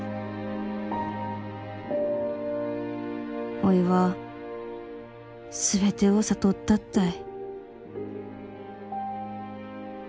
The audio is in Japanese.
おいは全てを悟ったったい